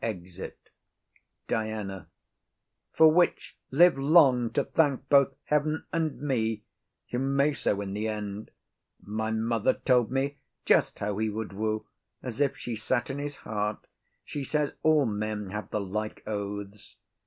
[Exit.] DIANA. For which live long to thank both heaven and me! You may so in the end. My mother told me just how he would woo, As if she sat in's heart. She says all men Have the like oaths.